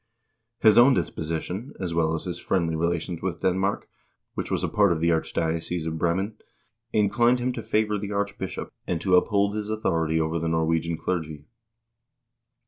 His own disposition, as well as his friendly relations with Denmark, which was a part of the archdiocese of Bremen, inclined him to favor the archbishop, and to uphold his authority over the Norwegian clergy.